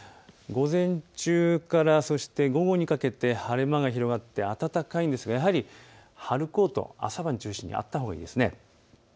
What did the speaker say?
午前中から午後にかけて晴れ間が広がって暖かいんですが春コート、朝晩中心にあったほうがいいです。